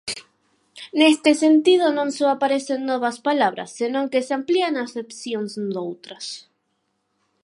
Neste sentido, non só aparecen novas palabras, senón que se amplían acepcións doutras.